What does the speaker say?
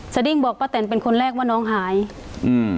ดิ้งบอกป้าแตนเป็นคนแรกว่าน้องหายอืม